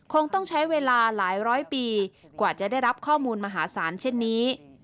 คงต้องใช้เวลาหลายร้อยปีกว่าจะได้รับข้อมูลมหาศาลเช่นนี้